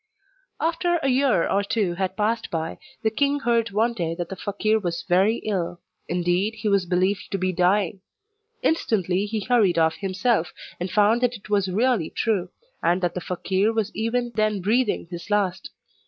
After a year or two had passed by, the king heard one day that the fakeer was very ill indeed, he was believed to be dying. Instantly he hurried off himself, and found that it was really true, and that the fakeer was even then breathing his last.